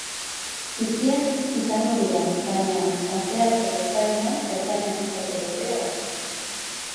Txikiak izango dira, baina astearte goizaldean ertainak izateko aukera dago.